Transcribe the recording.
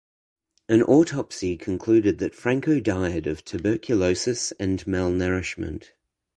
An autopsy concluded that Franco died of tuberculosis and malnourishment.